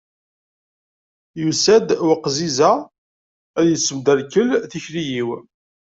Yusa-d weqẓiẓ-a ad yessemderkel tikli-w.